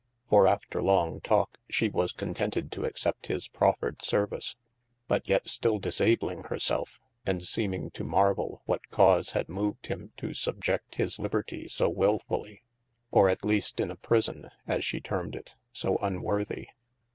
For after long talke shee was contented to accept his proffered service, but yet still disabling hir selfe, and seeming to marvell what cause had moved him to subject his libertie so wilfully, or at least in a prison (as shee termed it) so unworthy.